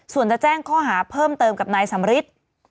ส่วนจะแจ้งข้อหาเพิ่มเติมกับนายสำริท